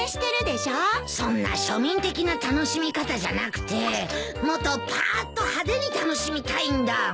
そんな庶民的な楽しみ方じゃなくてもっとパーッと派手に楽しみたいんだ。